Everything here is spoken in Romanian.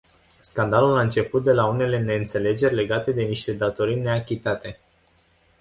Scandalul a început de la unele neînțelegeri legate de niște datorii neachitate.